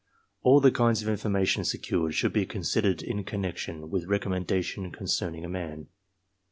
All the kinds of information secured should be considered in connection with reconmiendation con cerning a man.